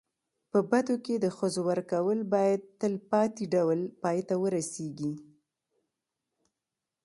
په بدو کي د ښځو ورکول باید تلپاتي ډول پای ته ورسېږي.